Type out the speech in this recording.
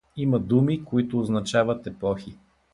Има думи, които означават епохи.